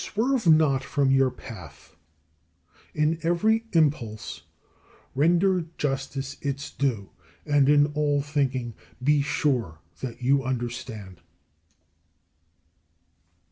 22. Swerve not from your path. In every impulse render justice its due, and in all thinking be sure that you understand.